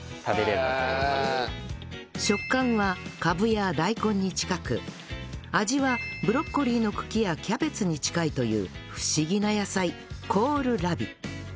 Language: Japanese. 食感はカブや大根に近く味はブロッコリーの茎やキャベツに近いという不思議な野菜コールラビ